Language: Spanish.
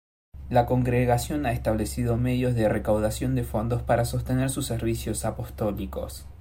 La Congregación ha establecido medios de recaudación de fondos para sostener sus servicios apostólicos.